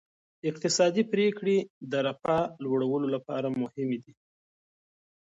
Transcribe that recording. اقتصادي پریکړې د رفاه لوړولو لپاره مهمې دي.